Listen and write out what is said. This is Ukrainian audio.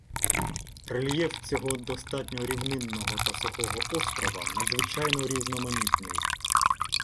Рельєф цього достатньо рівнинного та сухого острова надзвичайно різноманітний.